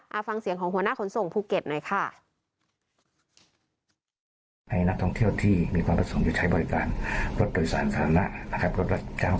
เอาฟังเสียงของหัวหน้าขนส่งภูเก็ตหน่อยค่ะ